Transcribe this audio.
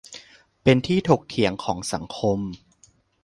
เป็นที่ถกเถียงของสังคม